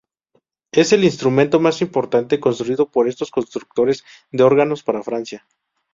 Es el instrumento más importante construido por estos constructores de órganos para Francia.